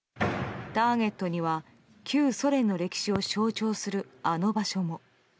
ターゲットには、旧ソ連の歴史を象徴するあの場所も。